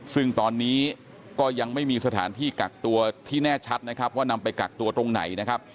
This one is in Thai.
ซึ่งตอนนี้ก็ยังไม่มีสถานที่กักตัวที่แน่ชัดนะครับว่านำไปกักตัวตรงไหนนะครับ